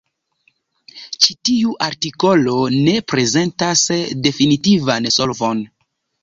Ĉi tiu artikolo ne prezentas definitivan solvon.